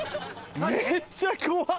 めっちゃ怖っ！